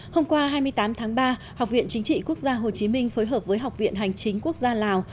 hôm qua hai mươi tám tháng ba học viện chính trị quốc gia hồ chí minh phối hợp với học viện hành chính quốc gia lào